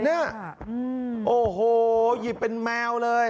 เนี่ยโอ้โหหยิบเป็นแมวเลย